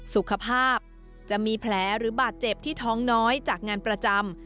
สุขภาพจะมีแผลหรือบาดเจ็บที่ท้องน้อยจากงานประจำ